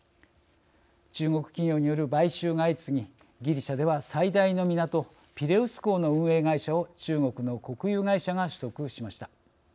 中国企業による買収が相次ぎギリシャでは最大の港ピレウス港の運営会社を中国の国有会社が取得しました。